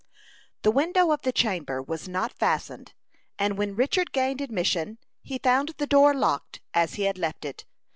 The window of the chamber was not fastened, and when Richard gained admission, he found the door locked as he had left it.